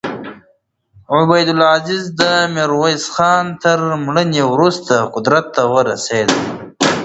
عبدالعزیز د میرویس خان تر مړینې وروسته قدرت ته ورسېد.